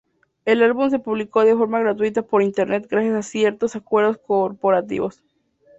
El álbum se publicó de forma gratuita por Internet gracias a ciertos acuerdos corporativos.